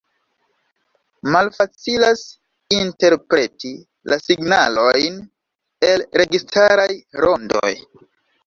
Malfacilas interpreti la “signalojn el registaraj rondoj.